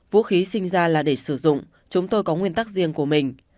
vũ khí sinh ra là để sử dụng chúng tôi có nguyên tắc riêng của mình